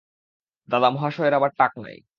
দাদা মহাশয়ের আবার টাক নাই!